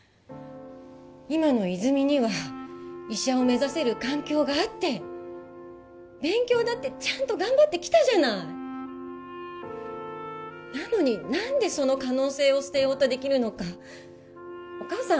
今の泉には医者を目指せる環境があって勉強だってちゃんと頑張ってきたじゃないなのに何でその可能性を捨てようとできるのかお母さん